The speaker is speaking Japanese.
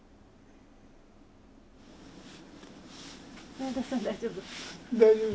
永田さん大丈夫？